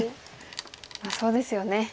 まあそうですよね。